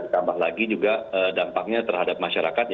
tambah lagi juga dampaknya terhadap masyarakat